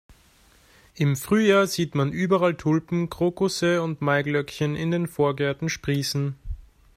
Im Frühjahr sieht man überall Tulpen, Krokusse und Maiglöckchen in den Vorgärten sprießen.